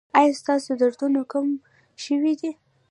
ایا ستاسو دردونه کم شوي دي؟